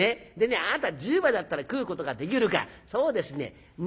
でねあなた１０枚だったら食うことができるからそうですね